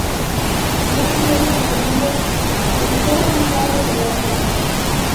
Da flores y semillas en solo un lado de las ramas.